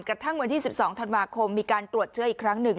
กระทั่งวันที่๑๒ธันวาคมมีการตรวจเชื้ออีกครั้งหนึ่ง